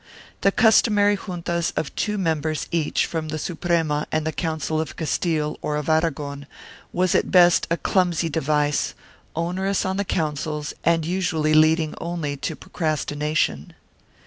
The customary juntas of two members each from the Suprema and the Council of Castile or of Aragon was at best a clumsy device, onerous on the Councils and usually leading only to procrastina tion.